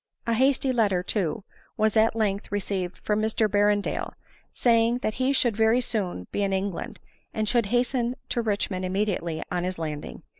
A hasty letter too was at length received from Mr Berrendale, saying, tljat he should very soon be in England, and should hasten to Richmond immediately on his landing.